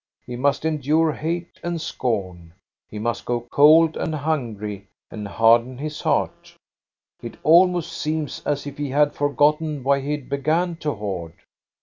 He must endure hate and scorn ; he must go cold and hungry and harden his heart : it almost seems as if he had foj^tten why he began to hoard."